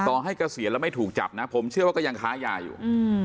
ต่อให้เกษียณแล้วไม่ถูกจับนะผมเชื่อว่าก็ยังค้ายาอยู่